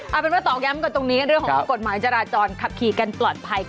เอาเป็นว่าต่อย้ำกันตรงนี้เรื่องของกฎหมายจราจรขับขี่กันปลอดภัยค่ะ